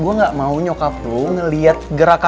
gue gak mau nyokap lu ngeliatnya sama aku ya